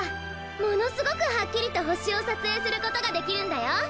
ものすごくはっきりとほしをさつえいすることができるんだよ。